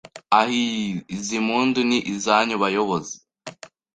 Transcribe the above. Ahiii! Izi mpundu ni izanyu bayobozi!